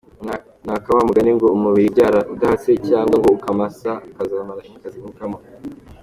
Ni aka wa mugani ngo umubiri ubyara udahatse cyangwa ngo akamasa kazamara inka kazivukamo.